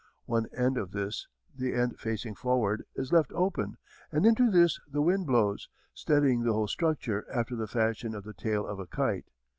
One end of this, the end facing forward, is left open and into this the wind blows, steadying the whole structure after the fashion of the tail of a kite.